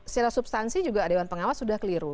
secara substansi juga dewan pengawas sudah keliru